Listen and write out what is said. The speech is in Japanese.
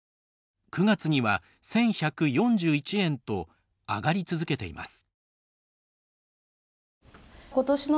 ９月には、１１４１円と上がり続けています。